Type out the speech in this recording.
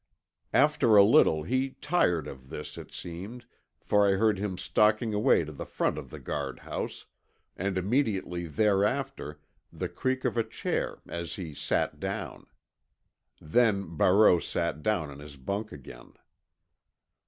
After a little he tired of this, it seemed, for I heard him stalking away to the front of the guardhouse, and immediately thereafter the creak of a chair as he sat down. Then Barreau sat down on his bunk again.